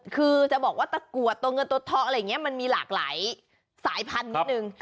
คือจะบอกว่าตะกรวดตัวเงินตัวทองอะไรอย่างนี้มันมีหลากหลายสายพันธุ์นิดนึง